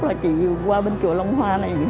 là chị qua bên chùa long hoa này